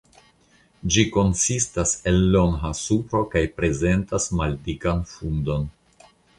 Ĝi konsistas el longa supro kaj prezentas maldikan fundon.